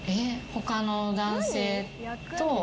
他の男性と。